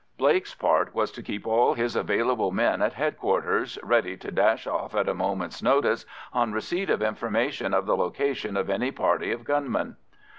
Blake's part was to keep all his available men at headquarters, ready to dash off at a moment's notice on receipt of information of the location of any party of gunmen.